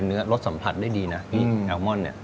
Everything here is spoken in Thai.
รสสัมผัสได้ดีนะพี่แอลมอนเนี่ย